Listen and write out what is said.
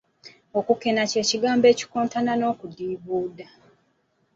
Okukena ky'ekigambo ekikontana n'okudiibuuda.